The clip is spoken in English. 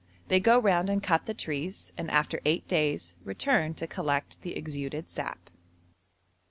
They go round and cut the trees, and after eight days return to collect the exuded sap.